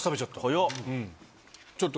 早っ。